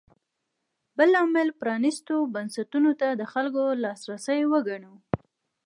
بل لامل پرانېستو بنسټونو ته د خلکو لاسرسی وګڼو.